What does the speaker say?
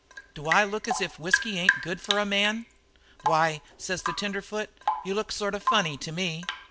Do I look as if whisky ain't good for a man?' "'Why,' says the tenderfoot, 'you look sort of funny to me.'